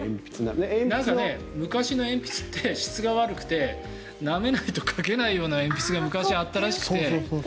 なんか昔の鉛筆って質が悪くてなめないと書けないような鉛筆が昔、あったらしくて。